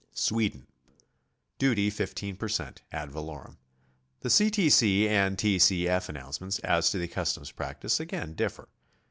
SWEDEN. Duty, 15 per cent, ad valorem. The C. T. C. and T. C. F. announcements as to the customs practice again differ.